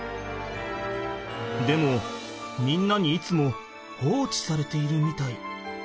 でもみんなにいつも放置されているみたい。